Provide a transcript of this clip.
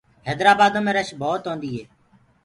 هيدرآ بآدو مي رش ڀوت هوندي هي۔